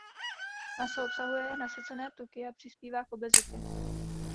Maso obsahuje nasycené tuky a přispívá k obezitě.